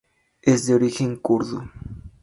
Es de origen kurdo.